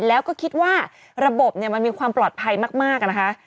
แล้วก็คิดว่าระบบมันมีความปลอดภัยมากนะคะ